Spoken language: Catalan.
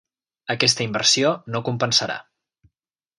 Aquesta inversió no compensarà.